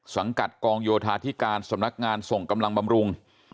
สังกัดกองโยธาธิการสำนักงานส่งกำลังบำรุง